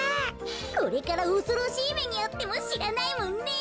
これからおそろしいめにあってもしらないもんね。